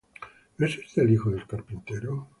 ¿No es éste el hijo del carpintero?